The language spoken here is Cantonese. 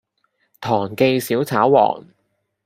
堂記小炒皇